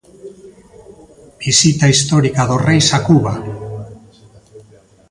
Visita histórica dos reis a Cuba.